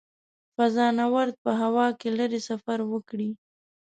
فضانورد په هوا کې لیرې سفر وکړي.